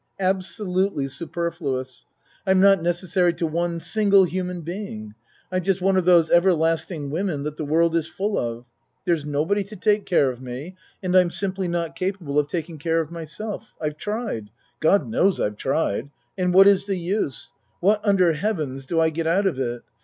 Absolutely superfluous. I'm not necessary to one single human being. I'm just one of those ever lasting women that the world is full of. There's nobody to take care of me and I'm simply not cap able of taking care of myself. I've tried God knows I've tried and what is the use? What un der Heaven's do I get out of it?